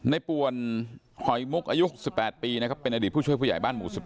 ป่วนหอยมุกอายุ๖๘ปีนะครับเป็นอดีตผู้ช่วยผู้ใหญ่บ้านหมู่๑๑